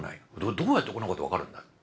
どうやってこんなことが分かるんだ？